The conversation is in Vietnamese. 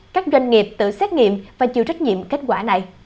các doanh nghiệp tự xét nghiệm và chịu trách nhiệm kết quả này